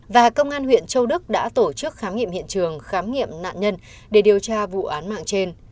và công an huyện châu đức đã tổ chức khám nghiệm hiện trường khám nghiệm nạn nhân để điều tra vụ án mạng trên